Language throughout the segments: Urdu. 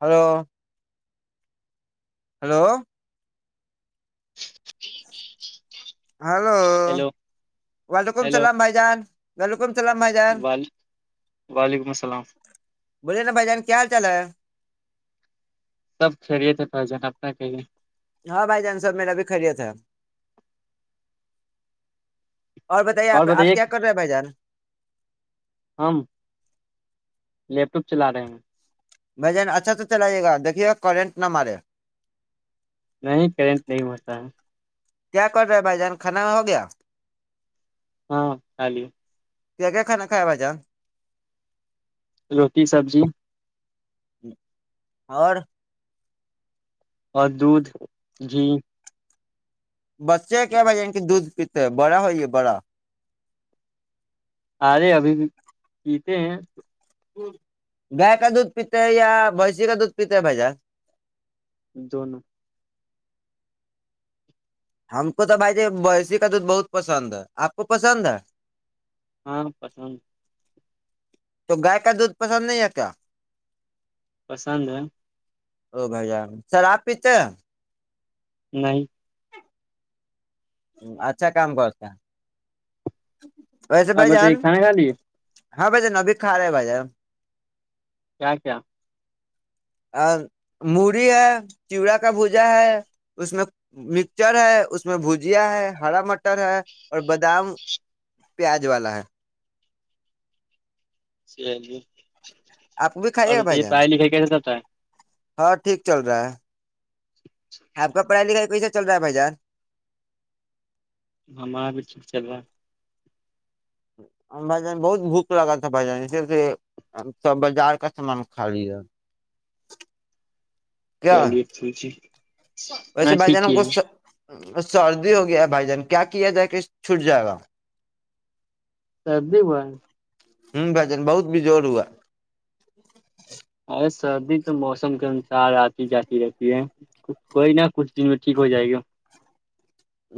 ہیلو ہیلو ہیلو ہیلو وعلیکم ہیلو السلام بھائی جان ویلکم السلام بھائی جان وال وعلیکم السلام بولے نا بھائی جان کیا کیا لایا سب خیریت ہے بھائی جان ہاں بھائی جان سب میرا بھی خیریت ہے اور بتائیں یہاں اپ کیا کر رہے ہیں بھائی جان ہم لیپ ٹاپ چلا رہے ہیں بھائی جان اچھا تو چلائیے گا کمنٹ نہ مارے نہیں ک نہیں ہوتا بھائی جان کھڑا ہو گیا ہاں پ کیا کھانا کھائے بجا روٹی سبزی اور اور دودھ جھی بچے کیا بھائی ع کہ دودھ پیتے ہیں بڑا ہوئی یہ بڑا آرے ابھی بھی پیتے ہیں گائے کا دودھ پیتا ہے یا بھسی کا دودھ پیتا ہے بھائی جا جوون ہم کو تو بھائی ج بسی کا دودھ بہت پسند ہے آپ کو پسند ہے ہاں پسند تو گائے کا دودھ پسند نہیں ہے کیا پسند ہے او بھائی جان سر آپ پیتے ہیں نہیں اچھا کام کرتا آپ بتائیے کھانا کھا لیے ہاں بھائی ن ابھی کا رہے ہے بھائیان کیا کیا ا می ہے چیڑا کا بھجا ہے اس میں مکچر ہے اس میں بھجیا ہے ہرا مٹر ہے اور بادام پیاز والا ہے سی ج آپ کو بھی اور کھائیے گا بھائی بتائیے جان پڑھائی لکھائی کیسے چلتا ہے ہاں ٹھیک چل رہا ہے آ کا پڑھائی لکھا ایک کوئی جگہ چل رہا ہے بھائی جار ہمار بھی ٹھیک چل رہا ہے بھائی جان بہت بھوک لگا تھا بھائی جان اس ہم سب بازار کا سامان خالی [unintelligible] ویسے ہاں بھائی ٹھیک جان ہی کو ہے سردی ہو گیا بھائی جان کیا کیا جائے کہ چھٹ جائے گا سردی با ہوں بھجن بہت بجور ہوا ارے سردی تو موسم کے انسار آتی جاتی رہتی ہے کوئی نہ کچھ دن میں ٹھیک ہو جائے گا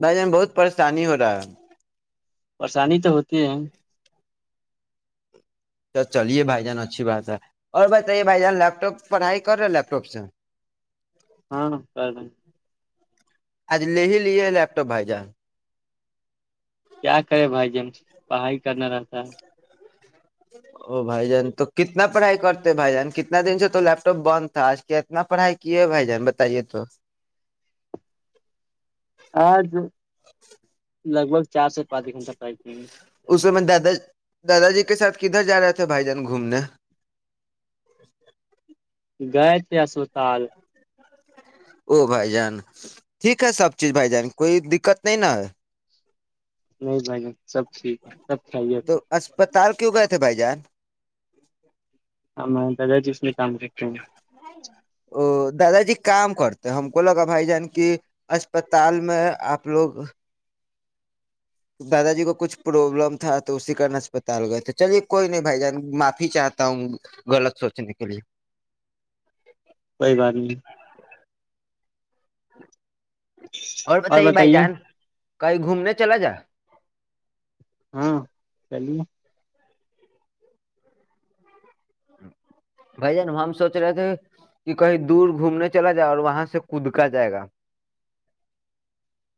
بھائی جان بہت پریشانی ہو رہا ہے پریشانی تو ہوتی ہے تو چلیے بھائی جان اچھی بات ہے اور بتائیے بھائی جان لیپ ٹاپ پڑھائی کر رہے ہیں لیپٹاپ سے ہاں کر دین آج لے ہی لیے ہے لیپٹاپ بھائی جان کیا کرے بھائی ج ہم پڑھائی کرنا رہتا ہے او بھائی جان تو کتنا پڑھائی کرتے بھائی جان کتنا دن سے تو لیپ ٹاپ بند تھا آج کے اتنا پڑھائی کیے بھائی جان بتائیے تو آج لگ بگ اس میں میں دادا دادا جی کے ساتھ کدھر جا رہے تھے بھائی جان گھومنے گئے تھے اسپتال او بھائی جان ٹھیک ہے سب چیز بھائی جان کوئی دقت نہیں نا ہے نہیں بھائی گ سب ٹھیک ہے سب کھاہیے تو پھر اسپتال کیوں گئے تھے بھائی جان ہم دادا جی اس میں کام کر رہے ہیں ا دادا جی کام کرتے ہم کو لگا بھائی جان کی اسپتال میں آپ لوگ دادا جی کو کچھ پروابلم تھا تو اسی کن اسسپتال گئے تھے چلیے کوئی نہیں بھائی جان معافی چاہتا ہوں غلط سوچنے کے لیے کوئی بات نہیں [unintelligible] اور بتائیے بھائی جان کہیں گھومنے چلا جا ہاں چلیے بھائی جان ہم سوچ رہے تھے کہ کہیں دور گھومنے چلا جائے اور وہاں سے خود کا جائے گا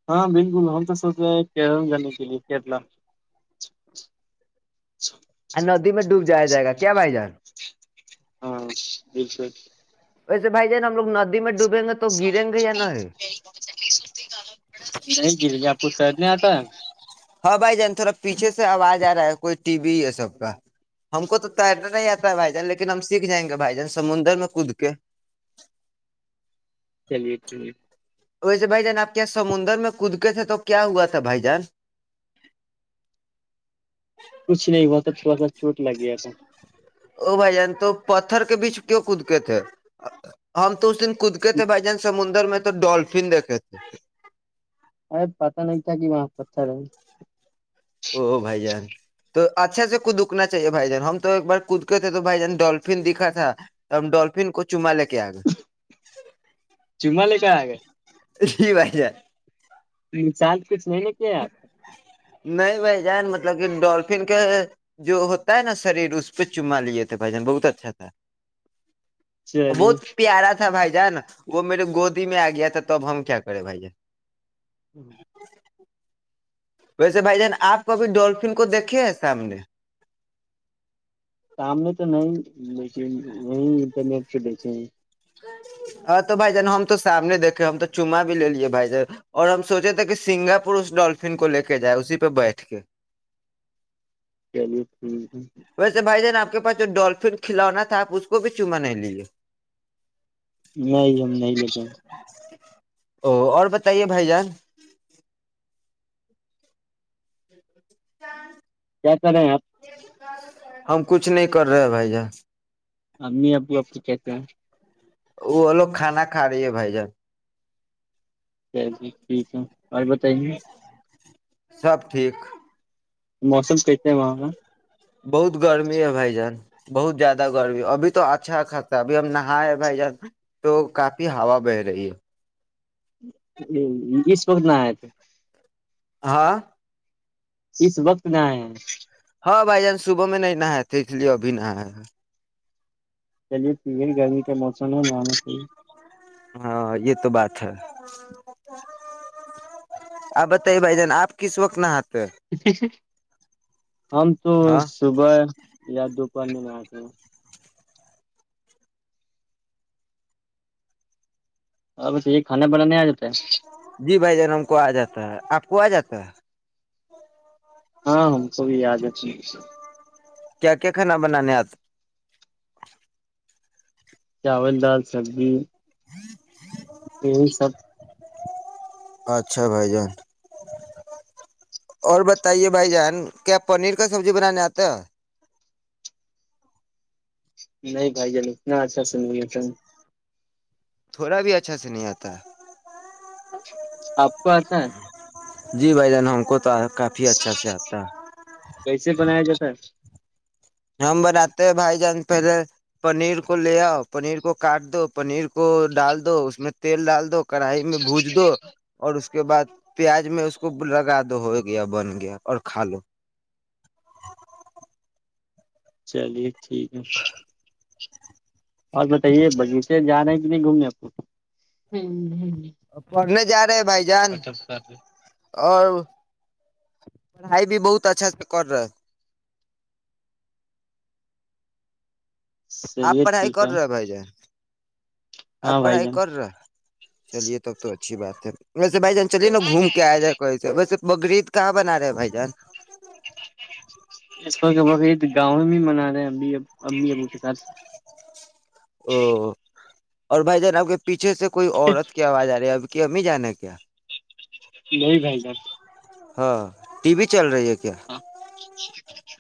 ہاں بالکل ہم تو سوچ رہے ہیں کیرلا جانے کے لیے کیرلا ندی میں ڈوبی آیا جائے گا کیا بھائی جان ہاں ب س ویسے بھائی جان ہم لوگ ندی میں ڈوب نہیں گریے آپو س [unintelligible] ہاں بھائی جان تھوڑا پیچھے سے آواز آ رہا ہے کوئی ٹی وی یہ سب کا ہم کو تو تیرنا نہیں آتا ہے بھائی جان لیکن ہم سیکھ جائیں گے بھائی جان سمندر میں کود کے چلیے چٹلیے ویسے بھائی جان آپ کیا سمندر میں کودتے تھے تو کیا ہوا تھا بھائی جان کچھ نہیں ہوا تھا تھوڑا سا چوٹ لگ گیا تھا او بھائی جان تو پتھر کے بیچ کی کودک تھے ہم تو اس دن قودکت بائجان سمندر میں تو ڈلفن دیکے تھ ار پاتہ نہیں تھاکی م پر تھ رہ ہے او بھائی جان تو اچھا سے خود اکنا چاہیے بھائی جان ہم تو ایک بار کودتے تھے تو بھائی جان ڈولفن دکھا تھا تو ہم ڈولفین کو چما لے کے آگ چمالے کیا گے یہی بات ہے چال نہیں بھائی جان مت لیکن ڈولفن کا جو ہوتا ہے نا شریر اس پہ چما لیے تھے بھائی جان بہت اچھا تھا چلیے بہت پیارا تھا بھائی ج نا وہ میرے گودی میں آ گیا تھا تب ہم کیا کرے بھائی ہوں [unintelligible] ویسے بھائی جان آپ کبھی ڈولفن کو دیکھے ہیں سامنے سام میں تو نہیں وہ انٹرنیٹ چھٹے ہاں تو بھائی جان ہم تو سامنے دیکھے ہم تو چوما بھی لے لیے بھائی جان اور ہم سوچے تھے کہ سنگاپور اس ڈولفن کو لے کے جائے اسی پہ بیٹھ کے چلیو ہوں ویسے بھائی جن آپ کے پاس جو ڈولفن کھلوا تھا آپ اس کو بھی چما نہیں لیے نہیں ہم نہیں لے جائ گے او اور بتائیے بھائی جان ج [unintelligible] کیا کر رہے ہیں آپ ہم کچھ نہیں کر رہے ہیں بھائی جان امی ابو اب کو کہتے ہیں وہ لوگ کھانا کھا رہی ہے بھائی جان چلیے ٹھیک ہے اور بتائیے سب ٹھیک موسم کیسے ہیں وہاں کا بہت گرمی ہے بھائی جان بہت زیادہ گرمی ابھی تو اچھا خرصہ ابھی ہم نہاائے بھائی جان تو کافی ہا بہ رہی ہے اس وقت نہ آئے تھے ہاں [unintelligible] اس وقت میںئے ہیں ہاں بھائی جان صبح میں نہیں نہئے تھے اس لیے ابھی نہ چلیے تیر گرمی کے موسم ہے معان صی ہاں یہ تو بات ہے آپ بتائیے بھائی جان آپ کس وقت نہات ہم تو ہاں صبح یا دوپہر میں میں آ تو ہاں بس یہ کانا بنانا نہیں آ جات جی بھائی جنم کو آ جاتا ہے آپ کوا جات ہاں ہم کو بھی آیاج اچ کیا کیا کھانا بنانے آپ چاول دال سبزی ایک ایک یہی سب اچھا بھائی جان اور بتائیے بھائی جان کیا پنیر کا سبزی بنانے آتا ہے نہیں بھائی جل اتنا اچھا سنے سن تھوڑا بھی اچھا سے نہیں آتا آپ کو آتا ہے جی بھائی جان ہم کوتا ہے کیسے بنایا جاتا ہے ہم بناتے ہیں بھائی جان پہلے پنیر کو لے آؤ پنیر کو کاٹ دو پنیر کو ڈال دو اس میں تیل ڈال دو کڑھائی میں بوج دو اور اس اس کے بعد پیاز میں اس کو لگا دو ہو گیا بن گیا اور کھا لو چلیے ٹھیک ہے اور بتائیے بغیچے جانے کی ت نہیں گھوم گے آپ کو ہ پڑھنے جا رہے بھائی جان اور پڑھائی بھی بہت اچھا سے کر رہے آپ چلیے پڑھائی ٹھیک کر ہے رہے ہو بھائی جان آب ہاں بھائی پڑھائی جان کر رہا چلیے تب تو اچھی بات ہے ویس بائی جان چلیے نا گھوم کے آ جائے کر ویسے بگریید کہ بن رہے ہے بائی جان اس وق گاؤں بھی منا رہے ہیں اب اب ابمی ابو کے ساتھ او [inaudible] اور بھائی جناب کے پیچھے سے کوئی عورت کی آواز آ رہی ہے ابھی کہ ہمھی جانا ہے کیا نہیں بھائی جر ہاں ٹی وی چل رہی ہے کیا ہاں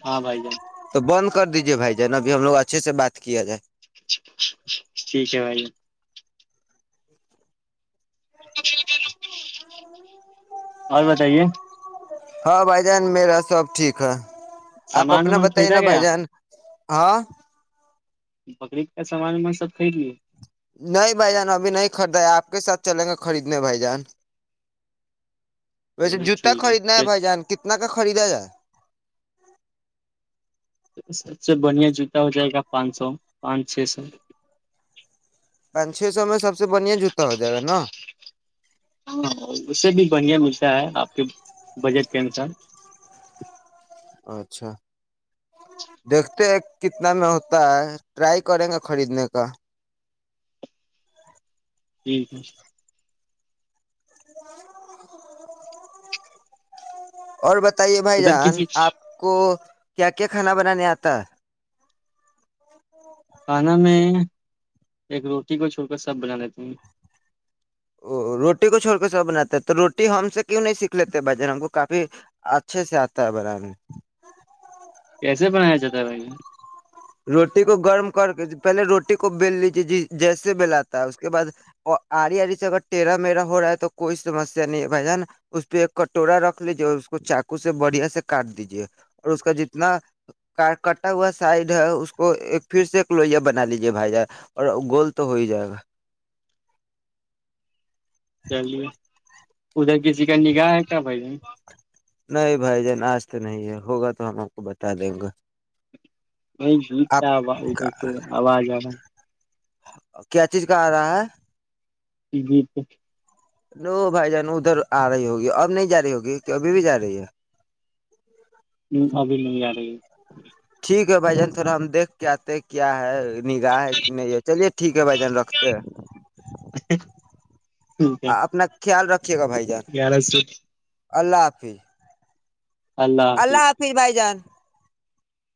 ہاں بھائی جان تو بند کر دیجے بھائی ج ن ابھی ہم لوگ اچھے سے بات کیا جائے ٹھیک ہے بھائی تو پ کا ن اور بتائیے ہاں بھائی جان میرا سب ٹھیک ہے آپ سامان اپنا وامان بتائیے خریدا نا بھائی گیا جان ہاں بکرید کا سامان و سب خرید لیے نہیں بھائی جان ابھی نہیں خریدا ہے آپ کے ساتھ چلیں گا خریدنے بھائی جان ویسے چلیے جوتا ٹھیک خریدنا ہے بھائی جان کتنا کا خریدا جائے سب سے بڑھیا جوتا ہو جائے گا پانچ سو پانچ چھ سو پانچ چھ سو میں سب سے بڑھیا جوتا ہو جائے گا نا ہاں اس سے بھی بڑھیا ملتا ہے آپ کے بجٹ کے انسار اچھا دیکھتے کتنا میں ہوتا ہے ٹرائی کریں گا خریدنے کا ٹھیک ہے اور بت بتے بھائی ادھر جان کسی آپ کو کیا کیا کھانا ب نہیں آتا کھانا میں ایک روٹی کو چھوڑ کر سب بنا لیتا ہوں ا روٹی کو چھوڑ کے سب بناتے تو روٹی ہم سے کیوں نہیں سیکھ لیتے بھ جان ہم کو کافی اچھے سے آتا ہے بنانے کیسے بنایا جاتا ہے بھائی روٹی کو گرم کر کے پہلے روٹی کو بیل لیجے جیسے بلاتا ہے اس کے بعد آری آڑ سے اگر ٹیرا میرا ہو رہا ہے تو کوئی سمسیا نہیں ہے بھائی جان اس پہ ایک کٹورا رکھ لیجے اور اس کو چاقو سے بڑھیا سے کاٹ دیجیے اور اس کا جتنا کٹا ہوا سائز ہے اس کو ایک پھر سے ایک لوہیا بنا لیجیے بھائی جار اور گول تو ہو ہی جائے گا کہ لیے ادھر کسی کا نگاہ ہے کیا بھائی جن نہیں بھائی جان آج تو نہیں ہے ہوگا تو ہم آ کو بتا دیں گا ب گیت کیا بھ آوج آج کیا چیز کا رہا ہے جی تو نو بھائی جان ادھر آ رہی ہوگی اب نہیں جا رہی ہوگی کہ ابھی بھی جا رہی ہے نہیں اب نہیں ج رہ ہے ٹھیک ہے بھائی جن تھوورا ہم دیک کے آتے کیا ہے نگاہ ہے کہ نہیں ہے چلیے ٹھیک ہے بھائی جان رکھتے ٹھیک ہے اپنا خیال رکھ ٹھیے گا بھائی جار گیارہ سو اللہفی اللہ حافظ بھائی جان